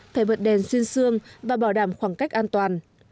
phải vượt đèn xuyên xương và bảo đảm khoảng cách an toàn